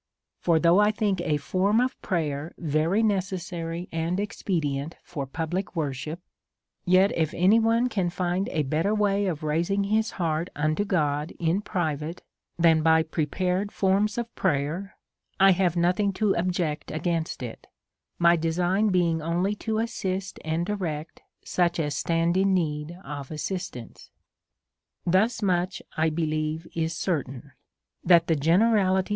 For though 1 think a form of prayer very necessary and expedient for public worship, yet if any one can find a better way of raising his heart unto God in pri vate than by prepared forms of prayer, I have nothing to object against it; my design being only to assist and direct such as stand in need of assistance. Thus much, 1 believe, is certain, that the generality o?